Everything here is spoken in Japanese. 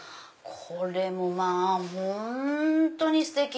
これもまぁ本当にステキ！